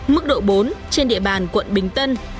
mức độ bốn trên địa bàn quận bình tân